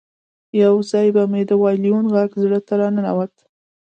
یو ځای به مې د وایلون غږ زړه ته راننوت